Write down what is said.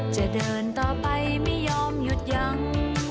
จะเดินต่อไปไม่ยอมหยุดยัง